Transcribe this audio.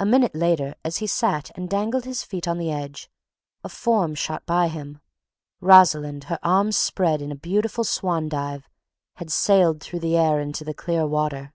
A minute later, as he sat and dangled his feet on the edge, a form shot by him; Rosalind, her arms spread in a beautiful swan dive, had sailed through the air into the clear water.